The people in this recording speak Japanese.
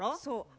そう。